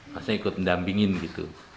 masih ikut mendampingin gitu